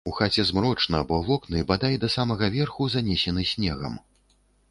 У хаце змрочна, бо вокны бадай да самага верху занесены снегам.